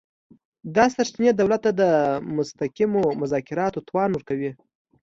دا سرچینې دولت ته د مستقیمو مذاکراتو توان ورکوي